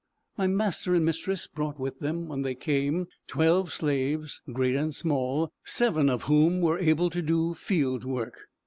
My master and mistress brought with them when they came twelve slaves, great and small, seven of whom were able to do field work.